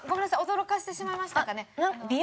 驚かせてしまいましたかね？